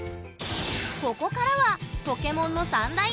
ここからはポケモンの３大魅力！